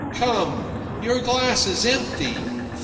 "Come. Your glass is empty.